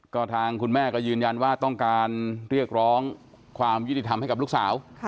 ก็ทางคุณแม่ก็ยืนยันว่าต้องการเรียกร้องความยุติธรรมให้กับลูกสาว